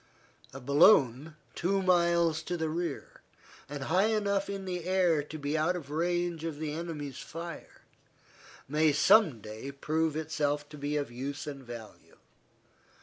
A balloon, two miles to the rear, and high enough in the air to be out of range of the enemy's fire may some day prove itself to be of use and value.